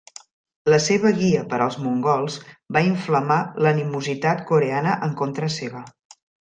La seva guia per als mongols va inflamar l'animositat coreana en contra seva.